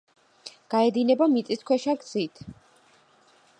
გაედინება მიწისქვეშა გზით.